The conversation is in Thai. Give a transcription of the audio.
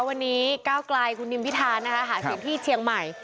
วันนี้เก้ากลายคุณนิมพิทานหาเสียงที่เชียงใหม่